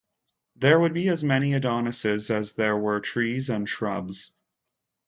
There would be as many Adonises as there were trees and shrubs.